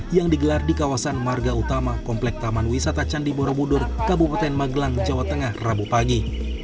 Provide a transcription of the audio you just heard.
yang digelar di kawasan marga utama komplek taman wisata candi borobudur kabupaten magelang jawa tengah rabu pagi